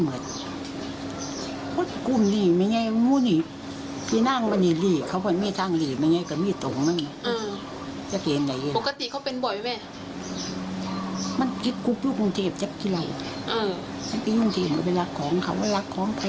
เอาเป็นว่าคุณจ๋าเขาไปดูที่ดินนะครับ